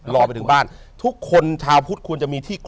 รอไปถึงบ้านทุกคนชาวพุทธควรจะมีที่